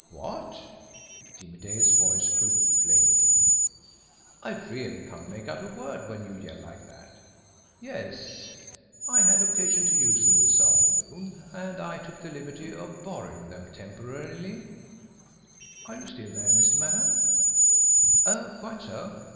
... What?" Jimmie Dale's voice grew plaintive, "I really can't make out a word when you yell like that. ... Yes. ... I had occasion to use them this afternoon, and I took the liberty of borrowing them temporarily are you still there, Mr. Maddon? ... Oh, quite so!